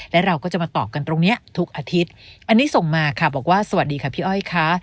และเราก็จะมาตอบกันตรงนี้ทุกอาทิตย์อันนี้ส่งมาค่ะบอกว่าสวัสดีค่ะพี่อ้อยค่ะ